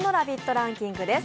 ランキングです。